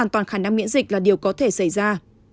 toàn khả năng miễn dịch là điều có thể xảy ra